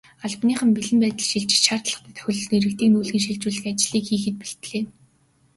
Албаныхан бэлэн байдалд шилжиж, шаардлагатай тохиолдолд иргэдийг нүүлгэн шилжүүлэх ажлыг хийхэд бэлдлээ.